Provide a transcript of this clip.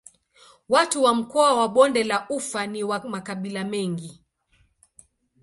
Watu wa mkoa wa Bonde la Ufa ni wa makabila mengi.